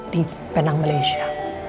di penang malaysia